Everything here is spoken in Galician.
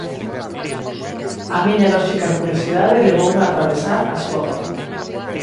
A miña lóxica curiosidade levoume a atravesar a súa porta.